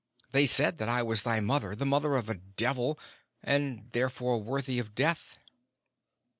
They said that I was thy mother, the mother of a devil, and therefore worthy of death."